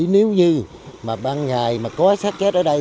nếu như mà ban ngày mà có sát chết ở đây